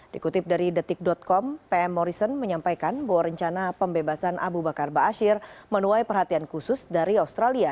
dikutip dari detik com pm morrison menyampaikan bahwa rencana pembebasan abu bakar ⁇ asyir ⁇ menuai perhatian khusus dari australia